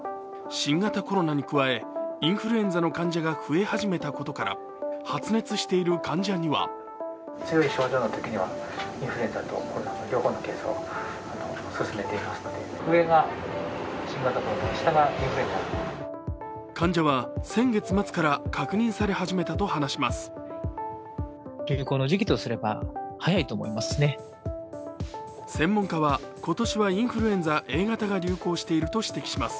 新型コロナに加え、インフルエンザの患者が増え始めたことから発熱している患者には患者は先月末から確認され始めたと話します。